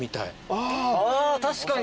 ああ確かに。